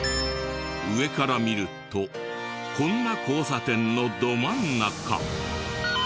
上から見るとこんな交差点のど真ん中。